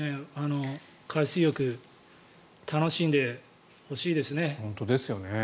海水浴楽しんでほしいですね。